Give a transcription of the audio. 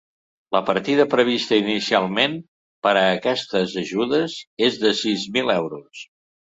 La partida prevista inicialment per a aquestes ajudes és de sis mil euros.